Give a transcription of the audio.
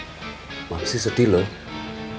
terus kalau mamski sedih pasti papski ikutan sedih